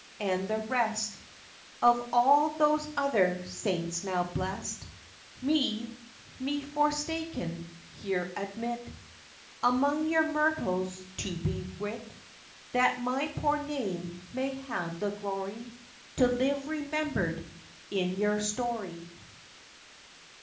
and the rest Of all those other saints now blest, Me, me forsaken, here admit Among your myrtles to be writ; That my poor name may have the glory To live remember'd in your story.